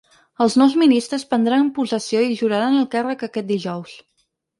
Els nous ministres prendran possessió i juraran el càrrec aquest dijous.